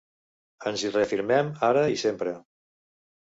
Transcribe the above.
Ens hi reafirmem ara i sempre!